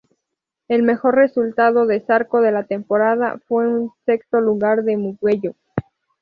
El mejor resultado de Zarco de la temporada fue un sexto lugar en Mugello.